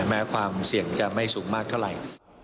แม้ความเสี่ยงจะไม่สูงมากเท่าไหร่